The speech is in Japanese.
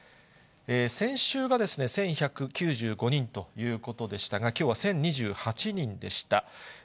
先週がですね、１１９５人ということでしたが、きょうは１０２８人でした。